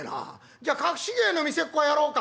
じゃ隠し芸の見せっこやろうか？」。